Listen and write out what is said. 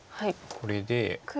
これで。